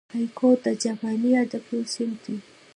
هایکو د جاپاني ادب یو صنف دئ.